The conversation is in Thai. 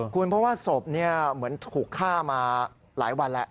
คุณเพราะว่าศพเหมือนถูกฆ่ามาหลายวันแล้ว